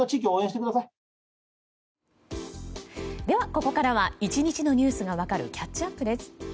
ではここからは１日のニュースが分かるキャッチアップです。